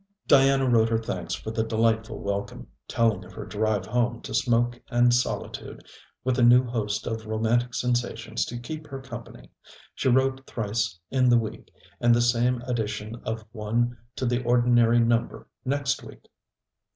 Diana wrote her thanks for the delightful welcome, telling of her drive home to smoke and solitude, with a new host of romantic sensations to keep her company. She wrote thrice in the week, and the same addition of one to the ordinary number next week.